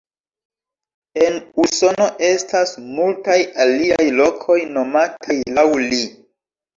En Usono estas multaj aliaj lokoj nomataj laŭ li.